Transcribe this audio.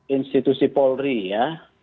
institusi polri ya